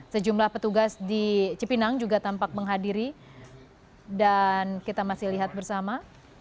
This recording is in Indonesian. sejumlah petugas di cipinang juga tampak menghadiri dan kita masih lihat bersama